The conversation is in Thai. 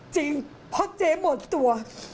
จริงเพราะเจ๊หมดตัว